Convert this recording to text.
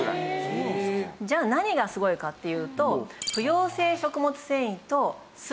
じゃあ何がすごいかっていうと。